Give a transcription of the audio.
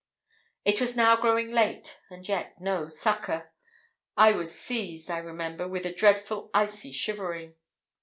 It was now growing late, and yet no succour! I was seized, I remember, with a dreadful icy shivering.